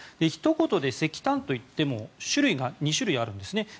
ひと言で石炭といっても種類が２種類あるんですね。